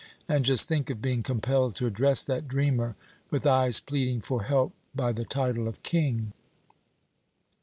And just think of being compelled to address that dreamer, with eyes pleading for help, by the title of 'king'!"